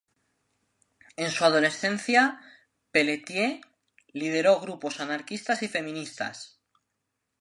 En su adolescencia, Pelletier lideró grupos anarquistas y feministas.